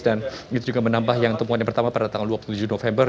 dan itu juga menambah yang temuan yang pertama pada tanggal dua puluh tujuh november